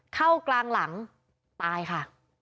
เข้ากลางหลังตายค่ะ